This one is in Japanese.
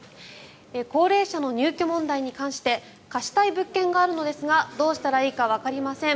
高齢者の入居問題に関して貸したい物件があるのですがどうしたらいいのかわかりません